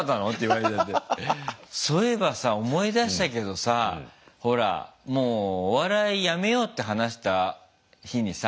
そういえばさ思い出したけどさほらもうお笑いやめようって話した日にさ。